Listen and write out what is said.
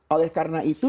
oleh karena itu